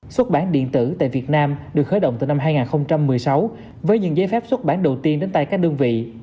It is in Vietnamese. xuất bản điện tử tại việt nam được khởi động từ năm hai nghìn một mươi sáu với những giấy phép xuất bản đầu tiên đến tay các đơn vị